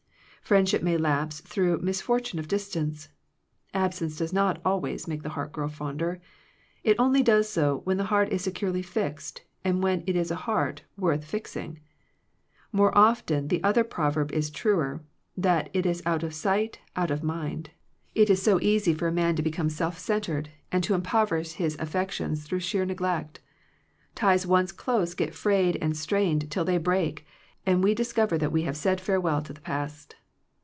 Friendship may lapse through the mis^ fortune of distance. Absence does not always make the heart grow fonder. It only does so, when the heart is securely fixed, and when it is a heart worth fix ing. More often the other proverb is truer, that it is out of sight out of mind. 145 Digitized by VjOOQIC THE WRECK OF FRIENDSHIP It is so easy for a man to become self centred, and to impoverish his aflTections through sheer neglect Ties once close get frayed and strained till they break, and we discover that we have said fare well to the past.